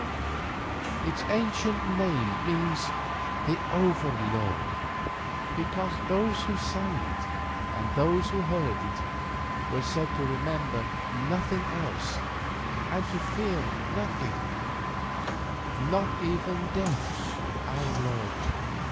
Its ancient name means 'The Over Lord,' because those who sang it and those who heard it were said to remember nothing else, and to fear nothing, not even Death our lord.